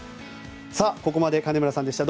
ここまで金村さんでした。